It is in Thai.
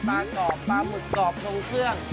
กรอบปลาหมึกกรอบทรงเครื่อง